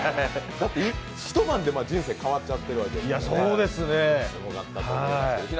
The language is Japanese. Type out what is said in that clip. だって一晩で人生変わっちゃってるわけですからすごかったですね。